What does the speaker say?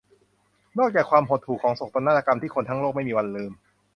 นอกจากความหดหู่ของโศกนาฏกรรมที่คนทั้งโลกไม่มีวันลืม